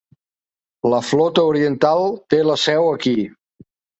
La flota oriental té la seu aquí.